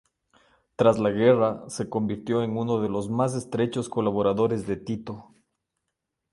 Tras la guerra, se convirtió en uno de los más estrechos colaboradores de Tito.